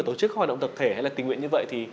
tổ chức hoạt động tập thể hay là tình nguyện như vậy thì